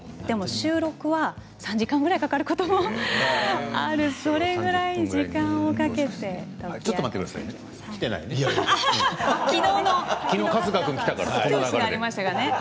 でも収録は３時間ぐらいかかることもあるそれぐらい時間をかけて。来ていないね。